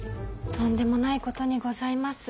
とんでもないことにございます。